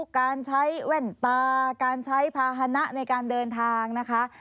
การใช้แว่นตาการใช้ภาษณะในการเดินทางนะคะ